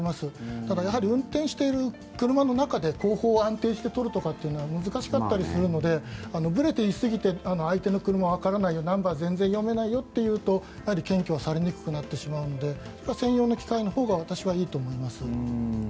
ただ、運転している車で後方を安定して撮るのは難しかったりするのでぶれすぎて相手の車がわからないナンバーが読めないよとなるとやはり検挙はされにくくなってしまうので専用の機械のほうが私はいいと思います。